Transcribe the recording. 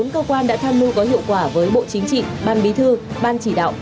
bốn cơ quan đã tham mưu có hiệu quả với bộ chính trị ban bí thư ban chỉ đạo